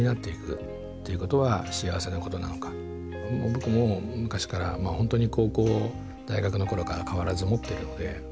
僕も昔からホントに高校大学のころから変わらず思ってるので。